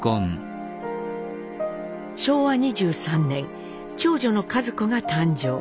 昭和２３年長女の一子が誕生。